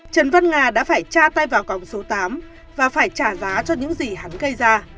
trần văn nga đã phải tra tay vào còng số tám và phải trả giá cho những gì hắn gây ra